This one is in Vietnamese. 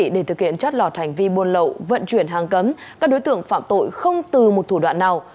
để thực hiện trót lọt hành vi buôn lậu vận chuyển hàng cấm các đối tượng phạm tội không từ một thủ đoạn nào